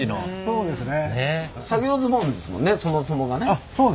そうですね。